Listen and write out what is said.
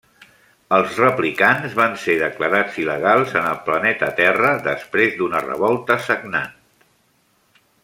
Els replicants van ser declarats il·legals en el planeta Terra després d'una revolta sagnant.